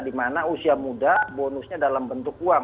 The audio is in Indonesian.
dimana usia muda bonusnya dalam bentuk uang